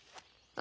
あ。